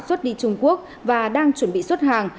xuất đi trung quốc và đang chuẩn bị xuất hàng